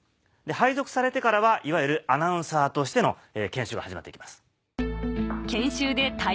配属されてからはいわゆるアナウンサーとしての研修が始まって行きます。